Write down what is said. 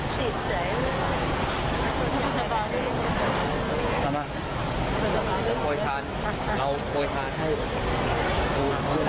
อ๋อติดใจ